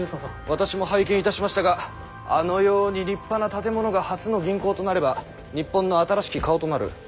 私も拝見いたしましたがあのように立派な建物が初の銀行となれば日本の新しき顔となる。